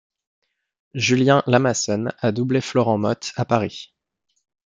Julien Lamassonne a doublé Florent Mothe à Paris.